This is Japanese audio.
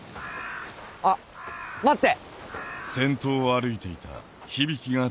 あっ待って。